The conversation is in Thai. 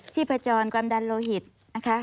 ที่ประจนความดันโลหิตนะคะ